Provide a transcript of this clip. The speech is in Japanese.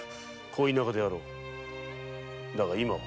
恋仲であろうだが今は？